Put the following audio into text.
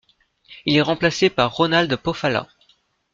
Il est remplacé par Ronald Pofalla.